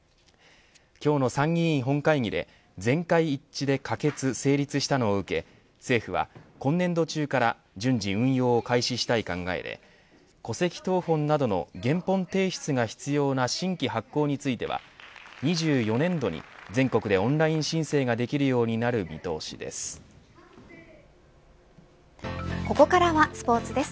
今日の参議院本会議で全会一致で可決成立したのを受け政府は今年度中から順次運用を開始したい考えで戸籍謄本などの原本提出が必要な新規発行については２４年度に全国でオンライン申請ができるようになるここからはスポーツです。